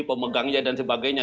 pemegangnya dan sebagainya